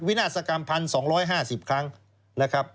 นาศกรรม๑๒๕๐ครั้งนะครับ